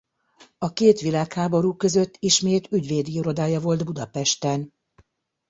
A két világháború között ismét ügyvédi irodája volt Budapesten.